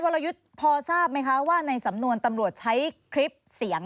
วรยุทธ์พอทราบไหมคะว่าในสำนวนตำรวจใช้คลิปเสียง